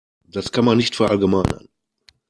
Das kann man nicht verallgemeinern.